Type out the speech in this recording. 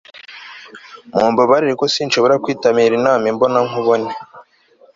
mumbabarire ariko sinshobora kwitabira inama imbona nkubone